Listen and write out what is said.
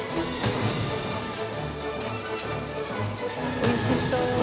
おいしそう。